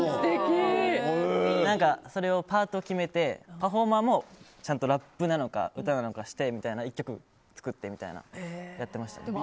それをパートを決めてパフォーマーも、ちゃんとラップなのか、歌なのかみたいにして１曲作ってやってました。